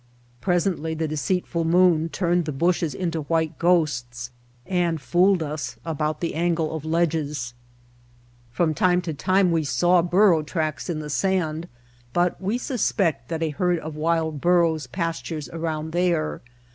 Pres ently the deceitful moon turned the bushes into white ghosts and fooled us about the angle of The Mountain Spring ledges. From time to time we saw burro tracks in the sand, but we suspect that a herd of wild burros pastures around there.